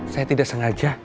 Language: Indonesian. saya tidak sengaja